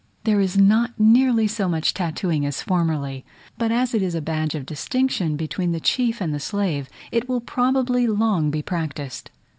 There is not nearly so much tattooing as formerly; but as it is a badge of distinction between the chief and the slave, it will probably long be practised.